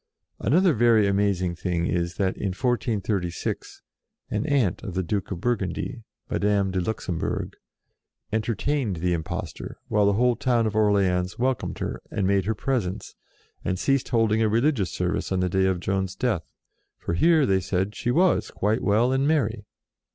Another very amazing thing is that, in 1436, an aunt of the Duke of Bur gundy, Madame de Luxembourg, enter tained the impostor, while the whole town of Orleans welcomed her, and made her presents, and ceased holding a religious service on the day of Joan's death, for here, they said, she was, quite well and merry